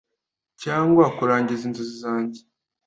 cyangwa kurangiza inzozi zanjye.